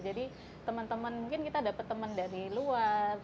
jadi teman teman mungkin kita dapat teman dari luar